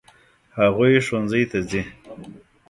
هغوی ښوونځي ته ځي.